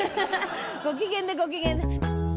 ご機嫌でご機嫌で。